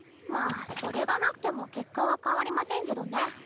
まあそれがなくても結果は変わりませんけどね。